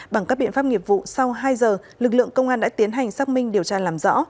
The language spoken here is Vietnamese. bằng các biện pháp nghiệp vụ sau hai giờ lực lượng công an đã tiến hành xác minh điều tra làm rõ